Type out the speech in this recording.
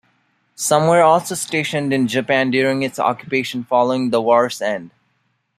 Some were also stationed in Japan during its occupation following the war's end.